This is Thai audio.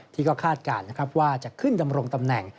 ที่ก็คาดการณ์นะครับว่าจะขึ้นดำรงตำแหน่ง